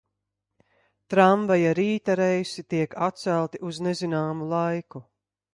Tramvaja rīta reisi tiek atcelti uz nezināmu laiku.